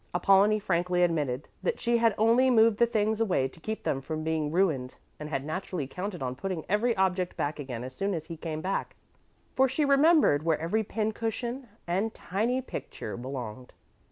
Apollonie frankly admitted that she had only moved the things away to keep them from being ruined and had naturally counted on putting every object back again as soon as he came back, for she remembered where every pin cushion and tiny picture belonged.